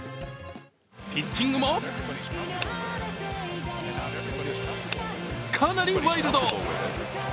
ピッチングもかなりワイルド。